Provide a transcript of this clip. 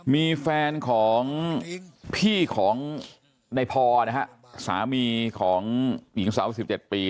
มีแฟนของพี่ของในพอนะฮะสามีของหญิงสาว๑๗ปี